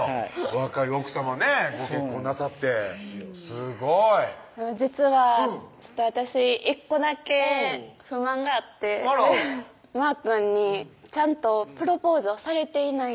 若い奥さまねご結婚なさってすごい実は私１個だけ不満があってあらまーくんにちゃんとプロポーズをされていないんですよ